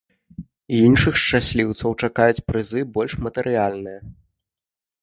Іншых шчасліўцаў чакаюць прызы больш матэрыяльныя.